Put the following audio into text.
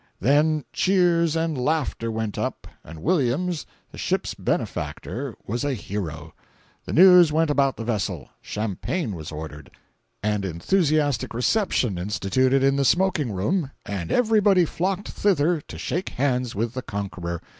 Then cheers and laughter went up, and Williams, the ship's benefactor was a hero. The news went about the vessel, champagne was ordered, and enthusiastic reception instituted in the smoking room, and everybody flocked thither to shake hands with the conqueror.